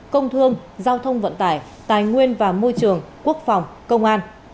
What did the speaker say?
công thương giao thông vận tải tài nguyên và môi trường quốc phòng công an